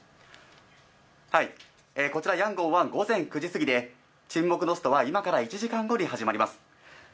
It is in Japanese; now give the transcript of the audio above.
こちらヤンゴンは午前９時すぎで、沈黙のストは今から１時間後に始まります。